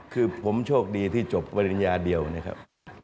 คือผมโชคดีที่จบปริญญาเดียวนะครับ